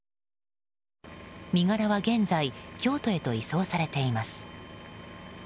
身柄は現在京都へと移送されています。